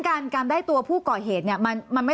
การการได้ตัวผู้เกาะเหตุเนี้ยมันมันไม่